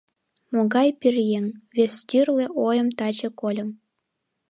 — Могай пӧръеҥ, — вестӱрлӧ ойым таче кольым.